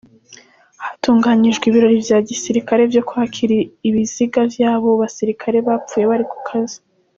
Hatunganijwe ibirori vya gisirikare vyo kwakira ibiziga vy'abo basirikare bapfuye bari ku kazi.